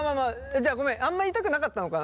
じゃあごめんあんま言いたくなかったのかな。